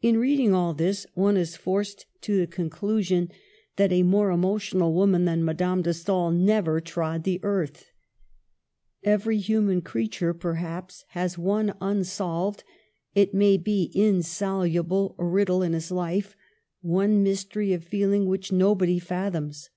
In reading all this, one is forced to the conclu . Digitized by VjOOQlC HO MADAME DE STA£L. sion that a more emotional woman than Madame de Stael never trod the earth. Every human creature, perhaps, has one unsolved, it may be insoluble, riddle in his life — one mystery of feel ing which nobody fathoms.